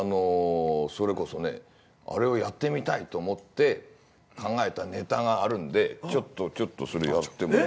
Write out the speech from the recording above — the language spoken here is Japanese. それこそねあれをやってみたいと思って考えたネタがあるんでちょっとそれやってもいいですか？